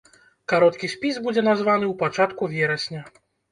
Кароткі спіс будзе названы ў пачатку верасня.